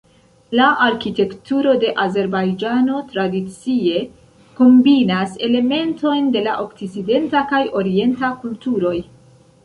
La arkitekturo de Azerbajĝano tradicie kombinas elementojn de la okcidenta kaj orienta kulturoj.